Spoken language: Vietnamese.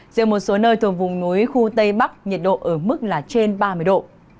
riêng một số nơi thuộc vùng núi khu tây bắc nhiệt độ ở mức là trên ba mươi độ